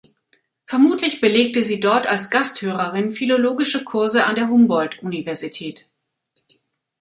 Vermutlich belegte sie dort als Gasthörerin philologische Kurse an der Humboldt-Universität.